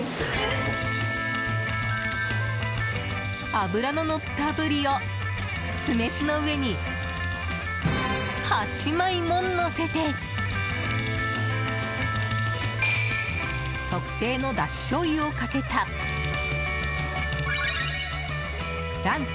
脂ののったブリを酢飯の上に８枚ものせて特製のだししょうゆをかけたランチ